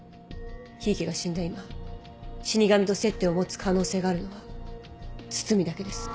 檜池が死んだ今死神と接点を持つ可能性があるのは堤だけです。